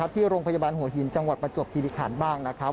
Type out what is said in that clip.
ที่โรงพยาบาลหัวหินจังหวัดประจวบคิริขันบ้างนะครับ